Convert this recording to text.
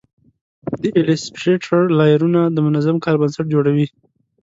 د ایلیسټریټر لایرونه د منظم کار بنسټ جوړوي.